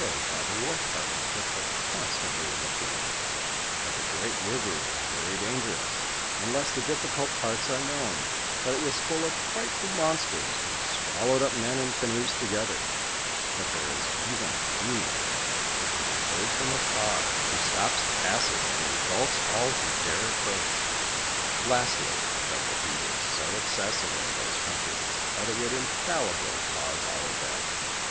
iied by the war parties which are constantly in the field; that the Great Eiver is very dangerous, unless the difficult parts are known; tliat it was full of frightful monstere who wallowed up men and fiinoes together; that there is even a U mon there who can be heard from afar, who stops the passage and engulfs all who dare approach ; lastly, that the heat is so excessive iu those countries, that it would infallibly cause our death.